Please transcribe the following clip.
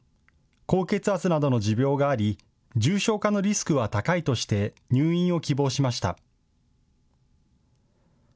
高血圧などの持病があり重症化のリスクは高いとして入院を希望しました。